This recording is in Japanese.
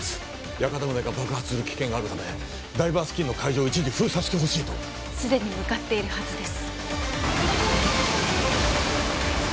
屋形船が爆発する危険があるため台場付近の海上を一時封鎖してほしいと既に向かっているはずです